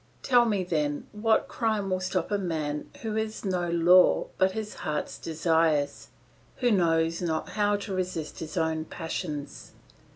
Tell me then what crime will stop a man who has no law but his heart's desires, who knows not how to resist his own passions.